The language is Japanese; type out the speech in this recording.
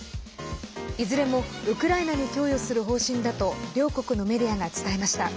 いずれも、ウクライナに供与する方針だと両国のメディアが伝えました。